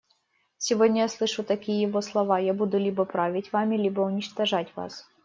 Сегодня я слышу такие его слова: «Я буду либо править вами, либо уничтожать вас».